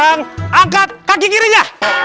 angkat kaki kirinya